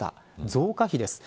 増加比です。